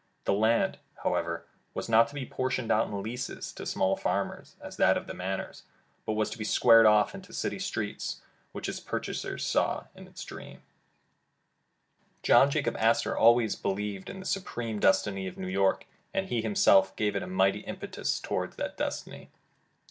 The land, however, was not to be portioned out in leases to small farmers, as that of the Manors, but was to be squared off into city streets, which its purchaser saw in his dreams. John Jacob Astor always believed in the supreme destiny of New York, and he himself gave it a mighty impetus toward that destiny.